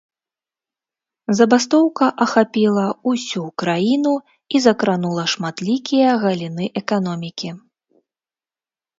Забастоўка ахапіла ўсю краіну і закранула шматлікія галіны эканомікі.